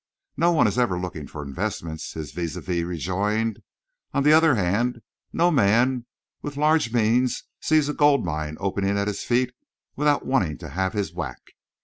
"No one is ever looking for investments," his vis à vis rejoined. "On the other hand, no man with large means sees a gold mine opening at his feet without wanting to have his whack.